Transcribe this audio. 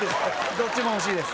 どっちも欲しいです。